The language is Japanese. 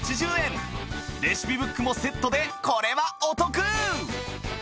レシピブックもセットでこれはお得！